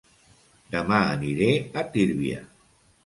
Dema aniré a Tírvia